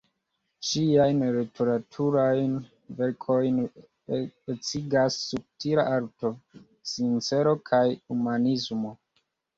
Ŝiajn literaturajn verkojn ecigas subtila arto, sincero kaj humanismo.